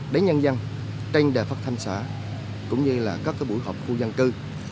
để nhân dân tranh đề phát thanh xã cũng như là các buổi họp khu dân cư